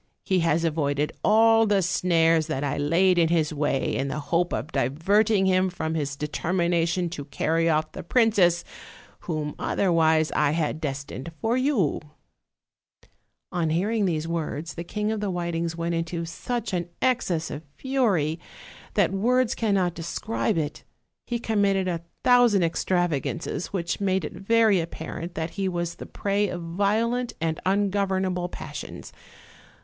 He has avoided all the snares that I laid in his way in the hope of diverting him from his determination to carry off the princess, whom otherwise I had destined for " OLD, OLD FAIRY TALES. 313 On hearing these words the King of the "Whitings went into such an excess of fury that words cannot describe it; he committed a thousand extravagances, which made it very apparent that he was the prey of violent and un governable passions.